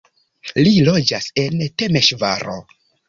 Li loĝas en Temeŝvaro.